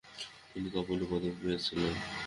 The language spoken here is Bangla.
তিনি কপলি পদক পেয়েছিলেন।